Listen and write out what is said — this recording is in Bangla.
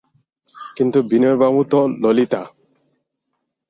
কিন্তু বিনয়বাবু তো– ললিতা।